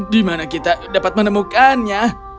di mana kita dapat menemukannya